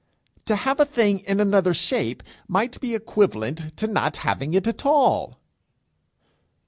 'To have a thing in another shape, might be equivalent to not having it at all.'